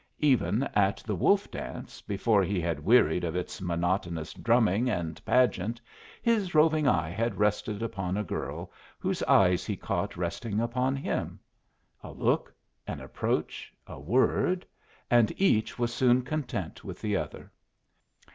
Even at the wolf dance, before he had wearied of its monotonous drumming and pageant, his roving eye had rested upon a girl whose eyes he caught resting upon him. A look, an approach, a word, and each was soon content with the other.